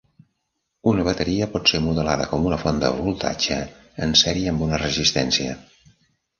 Una bateria pot ser modelada com una font de voltatge en sèrie amb una resistència.